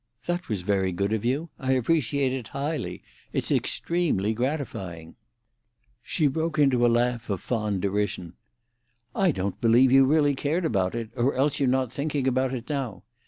"That was very good of you. I appreciate it highly. It's extremely gratifying." She broke into a laugh of fond derision. "I don't believe you really cared about it, or else you're not thinking about it now.